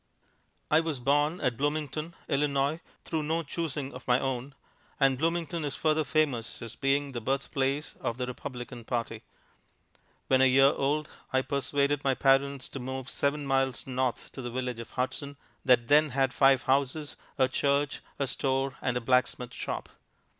I was born at Bloomington, Illinois, through no choosing of my own, and Bloomington is further famous as being the birthplace of the Republican party. When a year old I persuaded my parents to move seven miles north to the village of Hudson, that then had five houses, a church, a store and a blacksmith shop.